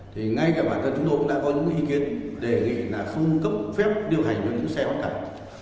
thì ngay cả bản thân chúng tôi cũng đã có những ý kiến đề nghị là không cấp phép điều hành được những xe quá tải